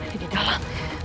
dia di dalam